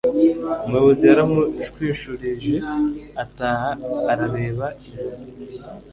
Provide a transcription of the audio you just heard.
Umuyobozi yaramushwishurije ataha arareba inyuma